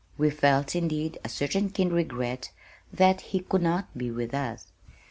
We felt indeed, a certain keen regret that he could not be with us.